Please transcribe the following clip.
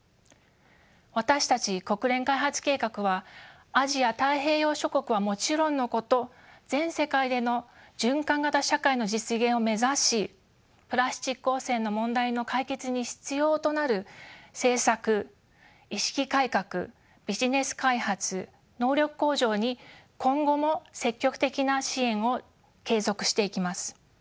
私たち国連開発計画はアジア太平洋諸国はもちろんのこと全世界での循環型社会の実現を目指しプラスチック汚染の問題の解決に必要となる政策意識改革ビジネス開発能力向上に今後も積極的な支援を継続していきます。